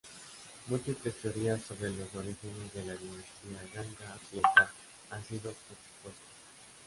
Múltiples teorías sobre los orígenes de la dinastía Ganga Occidental han sido propuestas.